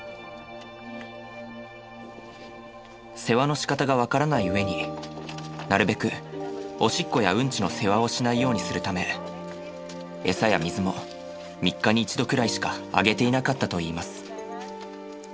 世話のしかたが分からない上になるべくおしっこやウンチの世話をしないようにするためエサや水も３日に１度くらいしかあげていなかったといいます。